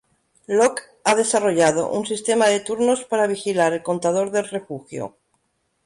Locke ha desarrollado un sistema de turnos para vigilar el contador del refugio.